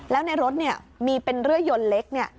แล้วในรถเนี่ยมีเป็นเรือยนเล็กเนี่ย